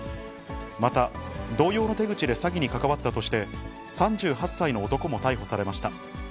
また、同様の手口で詐欺に関わったとして、３８歳の男も逮捕されました。